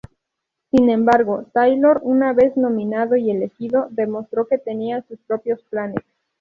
Sin embargo Taylor, una vez nominado y elegido, demostró que tenía sus propios planes.